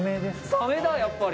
サメだやっぱり。